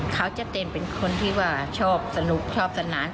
เขาจะเต็มเป็นคนที่ว่าชอบสนุกชอบสนาน